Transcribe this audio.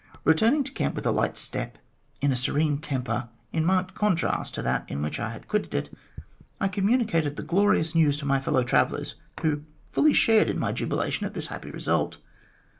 Returning to camp with a light step and in a serene temper, in marked contrast to that in which I had quitted it, I communicated the glorious news to my fellow travellers, who fully shared in my jubilation at this happy result.